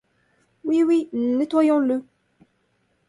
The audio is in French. Oui, oui, nettoyons-le!